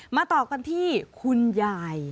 มาต่อกันที่คุณยาย